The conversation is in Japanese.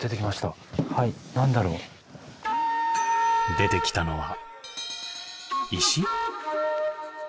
出てきたのは石？